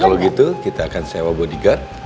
nah kalau gitu kita akan sewa bodyguard